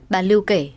bà lưu kể